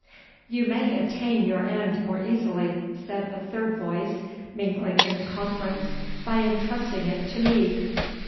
"You may attain your end more easily," said a third voice, mingling in the conference, "by entrusting it to me."